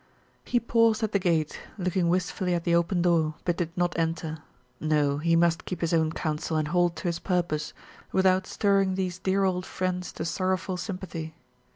He paused at the gate, looking wistfully at the open door, but did not enter. No, he must keep his own counsel and hold to his purpose, without stirring these dear old friends to sorrowful sympathy.